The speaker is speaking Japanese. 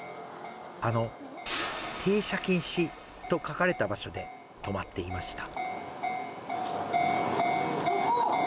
あの停車禁止と書かれた場所で止まっていました。